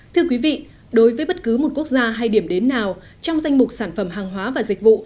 thưa quý vị đối với bất cứ một quốc gia hay điểm đến nào trong danh mục sản phẩm hàng hóa và dịch vụ